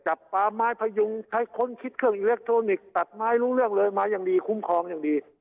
จับปลาไม้พยุงใช้ค้นคิดเครื่องอิเล็กทรอนิกส์ตัดไม้รู้เรื่องเลยมาอย่างดีคุ้มครองอย่างดี